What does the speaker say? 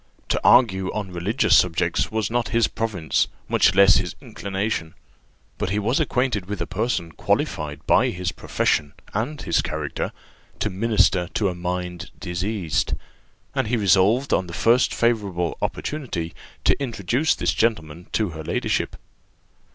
To argue on religious subjects was not his province, much less his inclination; but he was acquainted with a person qualified by his profession and his character 'to minister to a mind diseased,' and he resolved on the first favourable opportunity to introduce this gentleman to her ladyship.